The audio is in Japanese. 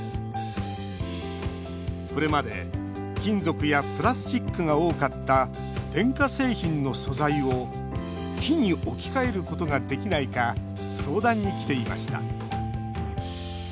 これまで、金属やプラスチックが多かった電化製品の素材を木に置き換えることができないか相談に来ていました